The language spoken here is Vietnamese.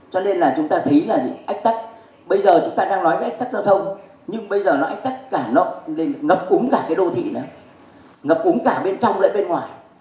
cho nên là chúng ta thấy là ách tắc bây giờ chúng ta đang nói về ách tắc giao thông nhưng bây giờ nó ách tắc cả nội ngập cúng cả cái đô thị nữa ngập cúng cả bên trong lại bên ngoài